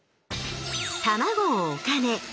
卵をお金